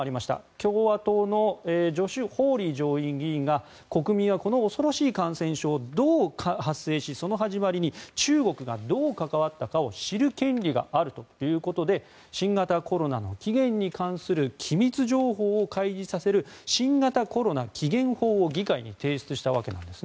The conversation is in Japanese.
共和党のジョシュ・ホーリー上院議員が国民はこの恐ろしい感染症がどう発生しその始まりに中国がどう関わったかを知る権利があるということで新型コロナの起源に関する機密情報を開示させる新型コロナ起源法を議会に提出したわけなんです。